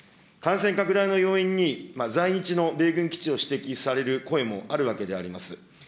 感染拡大の要因に、在日の米軍基地を指摘される声もあるわけであります。